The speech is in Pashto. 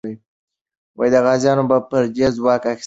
غازیانو به پردی ځواک ایستلی وي.